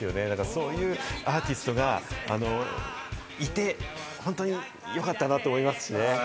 そういうアーティストがいて本当によかったなと思いますしね。